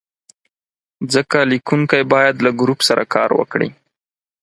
ځکه لیکونکی باید له ګروپ سره کار وکړي.